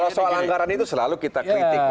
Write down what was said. kalau soal anggaran itu selalu kita kritik